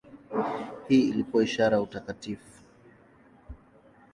Hii ilikuwa ishara ya utakatifu.